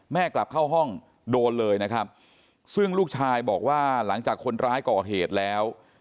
กลับเข้าห้องโดนเลยนะครับซึ่งลูกชายบอกว่าหลังจากคนร้ายก่อเหตุแล้ว